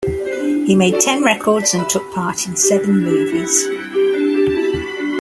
He made ten records and took part in seven movies.